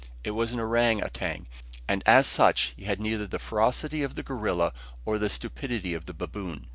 It was an orang outang, and as such, had neither the ferocity of the gorilla, nor the stupidity of the baboon.